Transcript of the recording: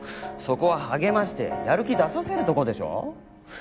そこは励ましてやる気出させるとこでしょ？